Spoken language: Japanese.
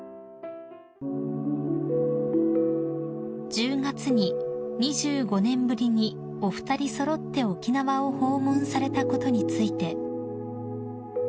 ［１０月に２５年ぶりにお二人揃って沖縄を訪問されたことについて］